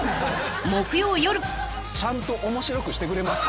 ちゃんと面白くしてくれます？